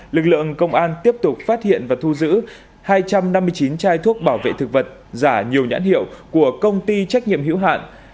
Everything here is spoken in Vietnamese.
lực lượng công an tiếp tục phát hiện và thu giữ hai trăm năm mươi chín chai thuốc bảo vệ thực vật giả nhiều nhãn hiệu của công ty trách nhiệm hữu hạn